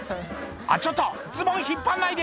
「ちょっとズボン引っ張んないで！」